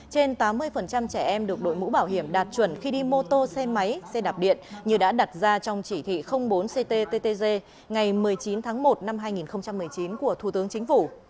trên tám mươi trẻ em được đội mũ bảo hiểm đạt chuẩn khi đi mô tô xe máy xe đạp điện như đã đặt ra trong chỉ thị bốn cttg ngày một mươi chín tháng một năm hai nghìn một mươi chín của thủ tướng chính phủ